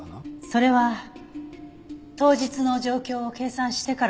それは当日の状況を計算してからでないと。